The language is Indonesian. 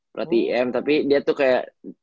pelatih m tapi dia tuh kayak